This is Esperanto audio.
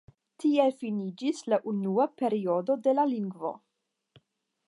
Tiel finiĝis la unua periodo de la lingvo.